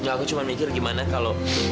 gak aku cuma mikir gimana kalau